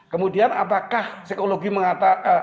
kemudian apakah psikologi mengatakan